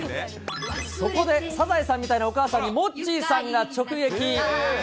そこで、サザエさんみたいなお母さんにモッチーさんが直撃。